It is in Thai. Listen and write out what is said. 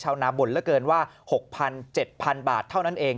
ชาวนาบ่นเลอร์เกินว่า๖๐๐๐๗๐๐๐บาทเท่านั้นเอง